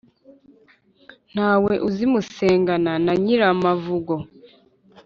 nta we uzimusengana na nyiramavugo,